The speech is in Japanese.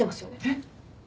えっ？